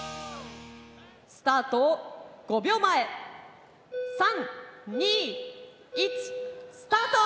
スタート５秒前３・２・１スタート！